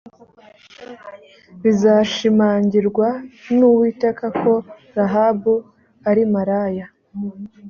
bizashinganirwa n’uwiteka ko rahabu ari maraya